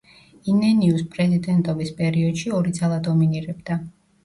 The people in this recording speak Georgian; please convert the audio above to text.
ინენიუს პრეზიდენტობის პერიოდში ორი ძალა დომინირებდა.